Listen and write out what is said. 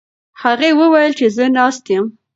هغې وویل چې زه ناسته یم.